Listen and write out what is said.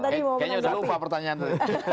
kayaknya udah lupa pertanyaan tadi